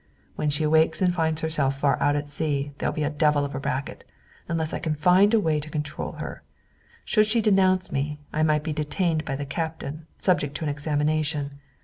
"When she awakes and finds herself far out at sea, there will be a devil of a racket, unless I can find a way to control her. Should she denounce me, I might be detained by the Captain, subject to an examination.